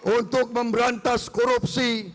untuk memberantas korupsi